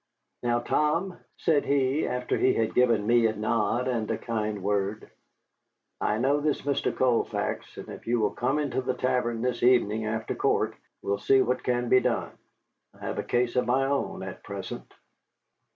"Now, Tom," said he, after he had given me a nod and a kind word, "I know this Mr. Colfax, and if you will come into the tavern this evening after court, we'll see what can be done. I have a case of my own at present."